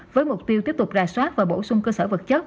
với mục tiêu tiếp tục rà soát và bổ sung cơ sở vật chất